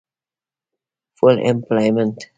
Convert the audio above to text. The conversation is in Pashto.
Full Employment